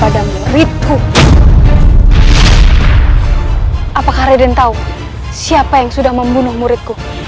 dan dia sangat cepat